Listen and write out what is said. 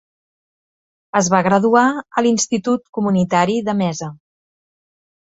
Es va graduar a l'Institut Comunitari de Mesa.